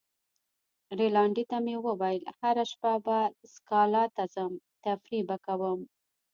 رینالډي ته مې وویل: هره شپه به سکالا ته ځم، تفریح به کوم.